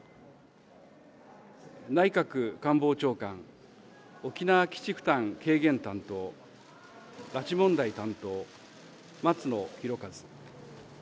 内閣官房長官、沖縄基地負担軽減担当、拉致問題担当、松野博一。